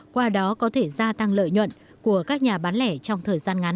qua đó có thể gia tăng lợi nhuận của các nhà bán lẻ trong thời gian ngắn